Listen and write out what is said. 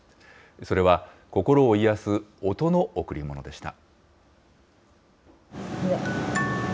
それは、心を癒やす音の贈り物でした。